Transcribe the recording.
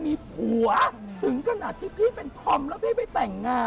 ไม่ได้น่าเกลียดนะ